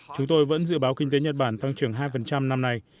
chúng tôi vẫn dự báo kinh tế nhật bản tăng trưởng hai năm nay